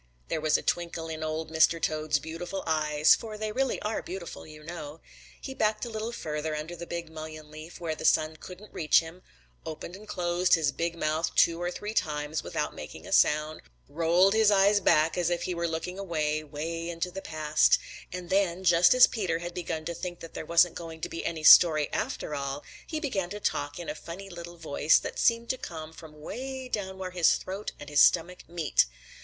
There was a twinkle in Old Mr. Toad's beautiful eyes, for they really are beautiful, you know. He backed a little farther under the big mullein leaf where the sun couldn't reach him, opened and closed his big mouth two or three times without making a sound, rolled his eyes back as if he were looking way, way into the past, and then, just as Peter had begun to think that there wasn't going to be any story after all, he began to talk in a funny little voice that seemed to come from way down where his throat and his stomach meet.